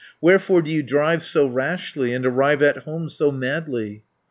Wherefore do you drive so rashly, And arrive at home so madly?"